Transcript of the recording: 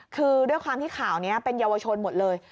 คือด้วยความที่ข่าวนี้เป็นเยาวชนหมดเลย